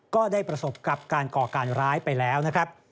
ก็ได้ประสบกับการก่อการร้ายไปแล้วนะครับ